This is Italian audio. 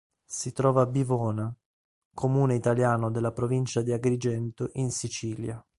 Si trova a Bivona, comune italiano della provincia di Agrigento in Sicilia.